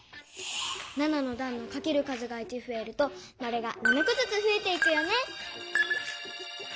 ７のだんのかける数が１ふえるとマルが７こずつふえていくよね。